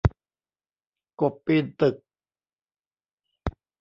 กบปีนตึก